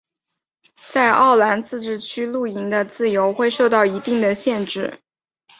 在奥兰自治区露营的自由会受到一定的限制。